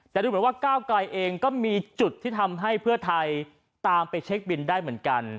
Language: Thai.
แต่ดูเหมือนว่าก้าวไกลเองก็มีจุดที่ทำให้เพื่อไทยตามไปเช็คบินได้เหมือนกัน